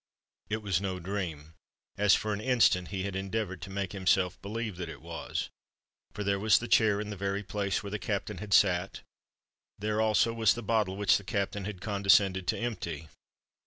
It was no dream—as for an instant he had endeavoured to make himself believe that it was; for there was the chair in the very place where the Captain had sate—there also was the bottle which the Captain had condescended to empty.